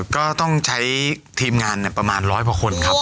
ก็ต้องใช้ทีมงานประมาณร้อยกว่าคนครับ